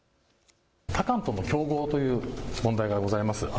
他館との競合という問題がございます。